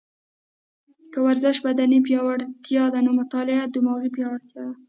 که ورزش بدني پیاوړتیا ده، نو مطاله دماغي پیاوړتیا ده